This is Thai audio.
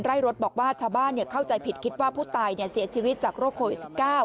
รถบอกว่าชาวบ้านเข้าใจผิดคิดว่าผู้ตายเสียชีวิตจากโรคโควิด๑๙